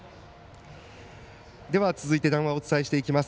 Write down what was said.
続いて談話をお伝えします。